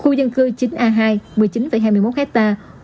khu dân cư chín a hai một mươi chín hai mươi một hectare